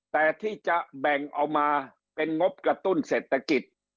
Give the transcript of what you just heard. แต่ที่จะแบ่งเอามาเป็นงบกระตุ้นเศรษฐกิจ